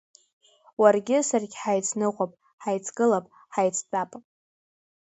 Уаргьы-саргь ҳаицныҟәап, ҳаицгылап, ҳаицтәап.